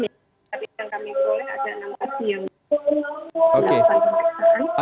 tapi yang kami peroleh ada enam saksi yang diperiksa